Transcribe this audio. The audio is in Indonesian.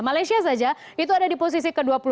malaysia saja itu ada di posisi ke dua puluh satu